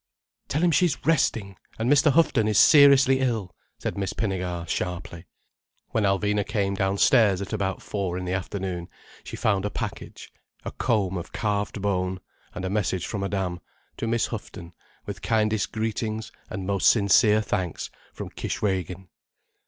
"Tell him she's resting, and Mr. Houghton is seriously ill," said Miss Pinnegar sharply. When Alvina came downstairs at about four in the afternoon she found a package: a comb of carved bone, and a message from Madame: "To Miss Houghton, with kindest greetings and most sincere thanks from Kishwégin."